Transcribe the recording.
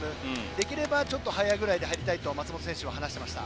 できれば、ちょっと速いぐらいで入りたいと松元選手は話していました。